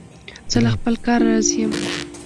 زه له خپل کار راضي یم.